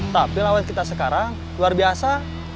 tapi lawan kita sekarang luar biasa